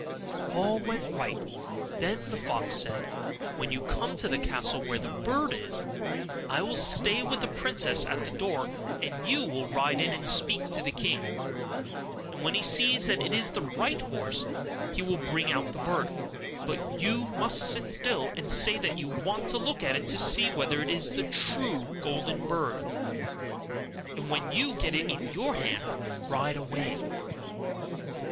All went right: then the fox said, 'When you come to the castle where the bird is, I will stay with the princess at the door, and you will ride in and speak to the king; and when he sees that it is the right horse, he will bring out the bird; but you must sit still, and say that you want to look at it, to see whether it is the true golden bird; and when you get it into your hand, ride away.